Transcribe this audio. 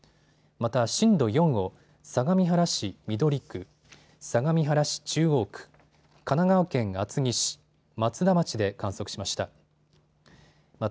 また震度４を相模原市緑区、相模原市中央区、神奈川県厚木市、松田町で観測しました。